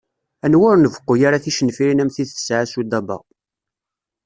Anwa ur nbeqqu ara ticenfirin am tid tesɛa Sudaba.